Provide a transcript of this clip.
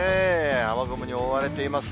雨雲に覆われています。